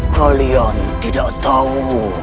kalian tidak tahu